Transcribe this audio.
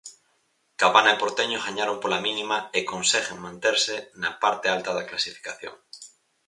Cabana e Porteño gañaron pola mínima e conseguen manterse na parte alta da clasificación.